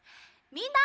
みんな！